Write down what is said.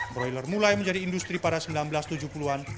broiler mulai menjadi industri pada seribu sembilan ratus tujuh puluh an